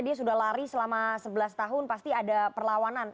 dia sudah lari selama sebelas tahun pasti ada perlawanan